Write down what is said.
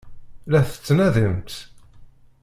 La t-tettnadimt?